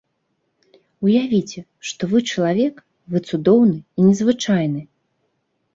Уявіце, што вы чалавек, вы цудоўны і незвычайны!